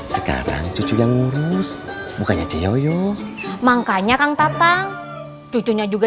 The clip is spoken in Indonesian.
sekarang cucu yang ngurus bukannya ceyoyo makanya kang tatang cucunya juga